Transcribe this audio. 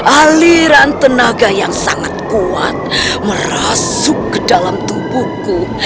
aliran tenaga yang sangat kuat merasuk ke dalam tubuhku